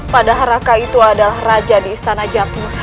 padahal raka itu adalah raja di istana jati